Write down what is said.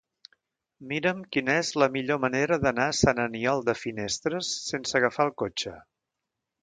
Mira'm quina és la millor manera d'anar a Sant Aniol de Finestres sense agafar el cotxe.